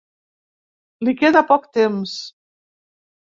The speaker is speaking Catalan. Li queda poc temps.